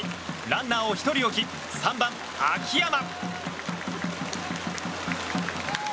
ランナーを１人置き３番、秋山。